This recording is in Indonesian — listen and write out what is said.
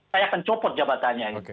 saya akan copot jabatannya